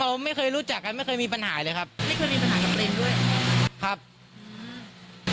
เราไม่เคยรู้จักกันไม่เคยมีปัญหาเลยครับไม่เคยมีปัญหากับลินด้วยครับอืม